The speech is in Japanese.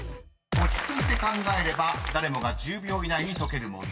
［落ち着いて考えれば誰もが１０秒以内に解ける問題］